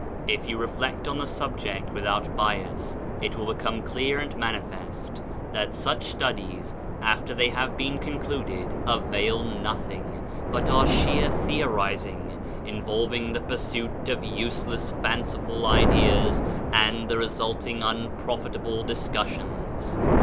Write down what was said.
If you reflect on the subject without bias, it will become clear and manifest that such studies, after they have been concluded, avail nothing, but are sheer theorizing, involving the pursuit of useless, fanciful ideas, and the resulting unprofit able discussions.